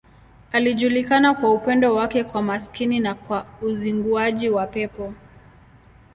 Alijulikana kwa upendo wake kwa maskini na kwa uzinguaji wa pepo.